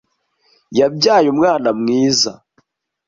Yabyaye umwana mwiza.